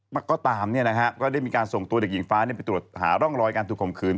แล้วก็ตามก็ได้มีการส่งตัวเด็กหญิงฟ้าไปตรวจหาร่องรอยการถูกข่มขืน